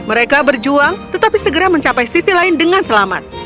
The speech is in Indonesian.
mereka berjuang tetapi segera mencapai sisi lain dengan selamat